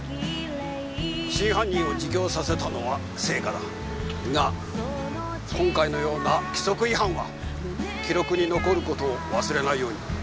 真犯人を自供させたのは成果だ。が今回のような規則違反は記録に残る事を忘れないように。